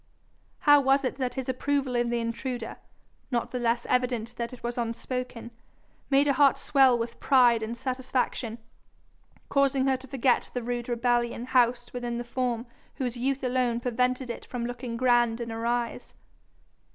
How was it that his approval of the intruder, not the less evident that it was unspoken, made her heart swell with pride and satisfaction, causing her to forget the rude rebellion housed within the form whose youth alone prevented it from looking grand in her eyes?